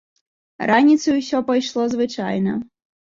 Раніцаю ўсё пайшло звычайна.